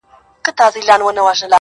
ما د سفر موزې په پښو کړلې له ياره سره,